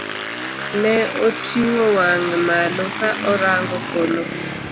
Ne oting'o wang'e malo ka orango polo.